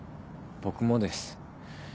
僕もです。